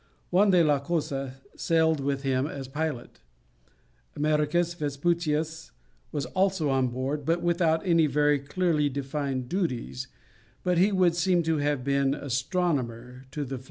Juan de la Cosa sailed with him as pilot; Americus Vespucius was also on board, without any very clearly defined duties, but he would seem to have been astronomer to the fleet.